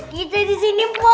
kita disini mpok